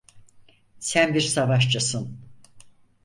Sen bir savaşçısın.